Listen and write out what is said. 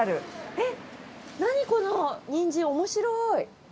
えっ何このニンジンおもしろい。